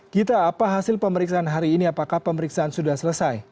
gita apa hasil pemeriksaan hari ini apakah pemeriksaan sudah selesai